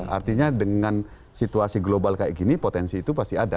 artinya dengan situasi global kayak gini potensi itu pasti ada